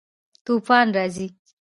توپان راځي